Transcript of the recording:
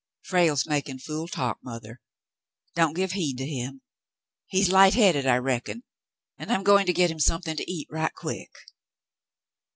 "Frale's making fool talk, mothah. Don't give heed to him. He's light headed, I reckon, and I'm going to get him something to eat right quick."